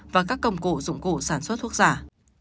và các công cụ dụng cụ sản xuất thuốc giả